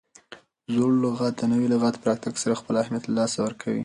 زوړ لغت د نوي لغت په راتګ سره خپل اهمیت له لاسه ورکوي.